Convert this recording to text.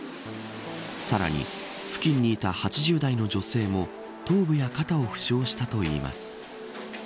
さらに付近にいた８０代の女性も頭部や肩を負傷したといいます。